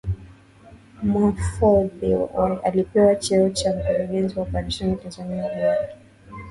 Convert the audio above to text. Mahfoudhi alipewa cheo cha Mkurugenzi wa Operesheni Tanzania Bara